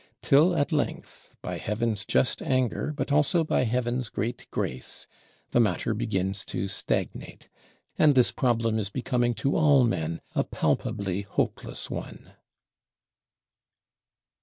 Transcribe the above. Till at length, by Heaven's just anger, but also by Heaven's great grace, the matter begins to stagnate; and this problem is becoming to all men a palpably hopeless one.